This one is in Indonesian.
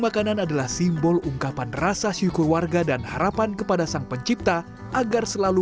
makanan adalah simbol ungkapan rasa syukur warga dan harapan kepada sang pencipta agar selalu